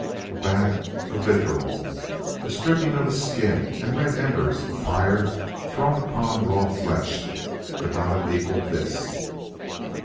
A bath of vitriol, a stripping of his skin and red embers of fire thrown upon raw flesh, could not have equaled this.